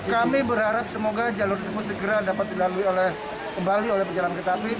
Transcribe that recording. kami berharap semoga jalur segera dapat dilalui oleh kembali oleh pejalanan ketapian